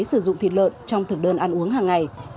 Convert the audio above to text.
sử dụng thịt lợn trong thực đơn ăn uống hàng ngày